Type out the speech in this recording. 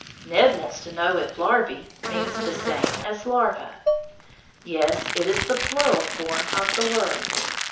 Ned wants to know if "larvæ" means the same as "larva." Yes, it is the plural form of the word.